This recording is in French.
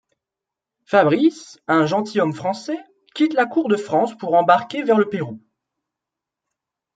Fabrice, un gentilhomme français, quitte la cour de France pour embarquer vers le Pérou.